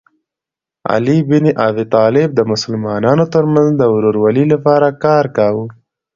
علي بن ابي طالب د مسلمانانو ترمنځ د ورورولۍ لپاره کار کاوه.